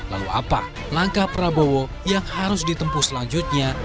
lalu apa langkah prabowo yang harus ditempuh selanjutnya